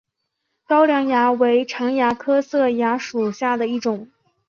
高梁蚜为常蚜科色蚜属下的一个种。